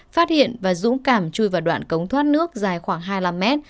phát hiện và dũng cảm chui vào đoạn cống thoát nước dài khoảng hai mươi năm mét